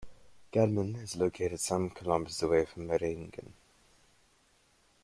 Gadmen is located some kilometers away from Meiringen.